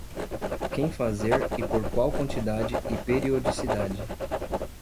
Quem fazer e por qual quantidade e periodicidade.